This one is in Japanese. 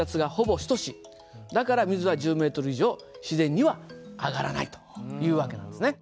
だから水は１０ｍ以上自然には上がらないという訳なんですね。